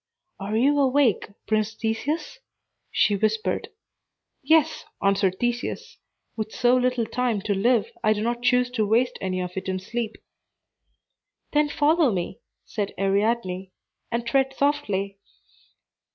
"Are you awake, Prince Theseus?" she whispered. "Yes," answered Theseus. "With so little time to live, I do not choose to waste any of it in sleep." "Then follow me," said Ariadne, "and tread softly."